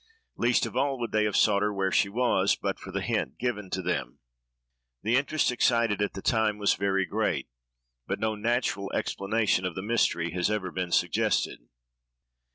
Least of all, would they have sought her where she was, but for the hint given to them. The interest excited, at the time, was very great; but no natural explanation of the mystery has ever been suggested.